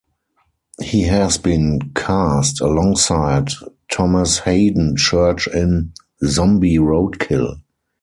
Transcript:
He has been cast alongside Thomas Haden Church in "Zombie Roadkill".